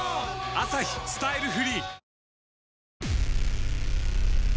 「アサヒスタイルフリー」！